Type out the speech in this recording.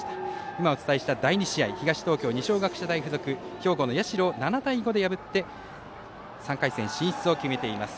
今お伝えした東東京、二松学舎大付属兵庫、社を７対５で破って３回戦進出を決めています。